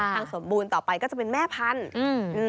สมบูรณ์ต่อไปก็จะเป็นแม่พันธุ์